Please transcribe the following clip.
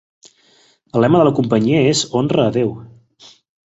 El lema de la companyia és "Honra a Déu".